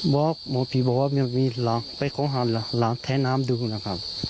บอกหมอพี่บอกว่ามีหลังไปค้นหาหลังแท้น้ำดูนะครับ